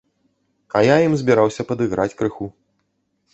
А я ім збіраўся падыграць крыху.